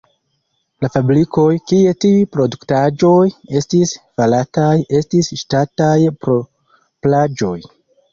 La fabrikoj, kie tiuj produktaĵoj estis farataj, estis ŝtataj propraĵoj.